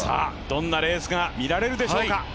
どんなレースがみられるでしょうか。